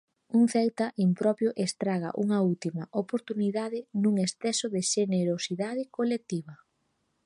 Un Celta impropio estraga unha última oportunidade nun exceso de xenerosidade colectiva.